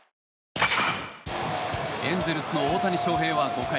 エンゼルスの大谷翔平は５回。